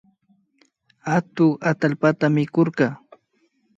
Atuk atallpata mikurka